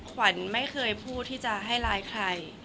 ขวัญไม่เคยพูดที่จะให้ร้ายใคร